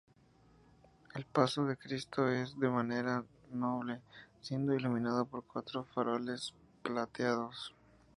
El paso de Cristo es de madera noble, siendo iluminado por cuatro faroles plateados.